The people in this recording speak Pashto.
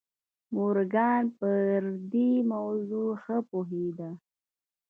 مورګان پر دې موضوع ښه پوهېده.